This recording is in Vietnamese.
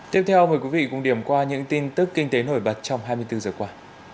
tiếp theo mời quý vị cùng điểm qua những tin tức kinh tế nổi bật trong hai mươi bốn giờ qua